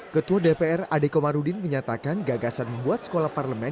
ketua dpr adeko marudin menyatakan gagasan membuat sekolah parlemen